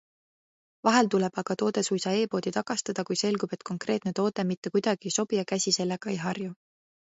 Vahel tuleb aga toode suisa e-poodi tagastada, kui selgub, et konkreetne toode mitte kuidagi ei sobi ja käsi sellega ei harju.